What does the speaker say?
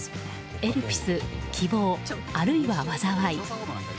「エルピス‐希望、あるいは災い‐」。